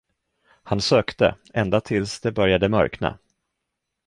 Han sökte, ända tills det började mörkna.